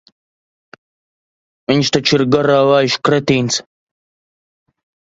Viņš taču ir garā vājš kretīns.